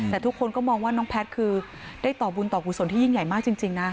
แต่ทุกคนก็มองว่าน้องแพทย์คือได้ต่อบุญต่อกุศลที่ยิ่งใหญ่มากจริงนะ